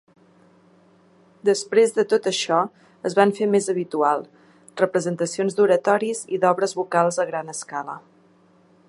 Després de tot això es van fer més habitual. representacions d'oratoris i d'obres vocals a gran escala.